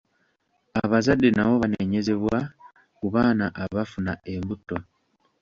Abazadde nabo banenyezebwa ku baana abafuna embuto.